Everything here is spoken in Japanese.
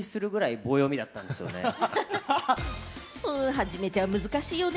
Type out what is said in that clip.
初めては難しいよね！